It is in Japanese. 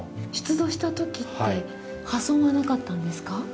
出土したときって破損はなかったんですか。